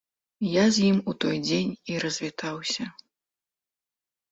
Я з ім у той дзень і развітаўся.